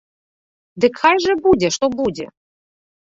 Дык жа хай будзе што будзе!